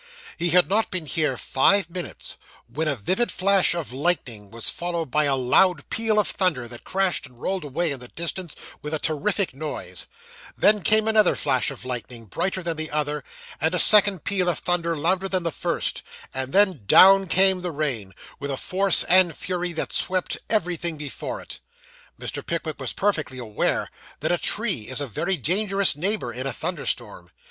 He had not been here five minutes, when a vivid flash of lightning was followed by a loud peal of thunder that crashed and rolled away in the distance with a terrific noise then came another flash of lightning, brighter than the other, and a second peal of thunder louder than the first; and then down came the rain, with a force and fury that swept everything before it. Mr. Pickwick was perfectly aware that a tree is a very dangerous neighbour in a thunderstorm.